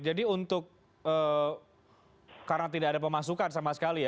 jadi untuk karena tidak ada pemasukan sama sekali ya